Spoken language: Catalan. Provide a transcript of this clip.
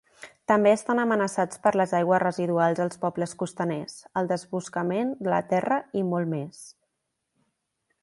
També estan amenaçats per les aigües residuals, els pobles costaners, el desboscament de la terra i molt més.